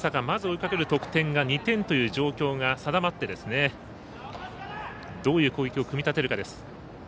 まず追いかける得点が２点という状況が定まってどういう攻撃を組み立てるかです。